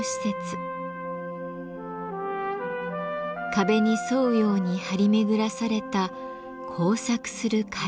壁に沿うように張り巡らされた交錯する階段。